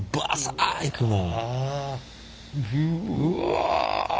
うわ！